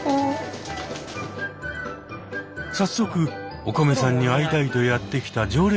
早速おこめさんに会いたいとやって来た常連客が。